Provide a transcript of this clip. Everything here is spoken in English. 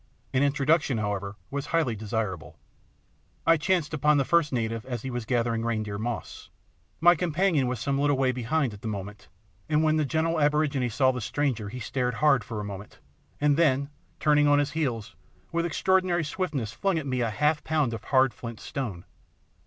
An introduction, however, was highly desirable. I chanced upon the first native as he was gathering reindeer moss. My companion was some little way behind at the moment, and when the gentle aborigine saw the stranger he stared hard for a moment, then, turning on his heels, with extraordinary swiftness flung at me half a pound of hard flint stone.